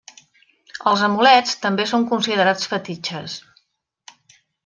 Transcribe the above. Els amulets també són considerats fetitxes.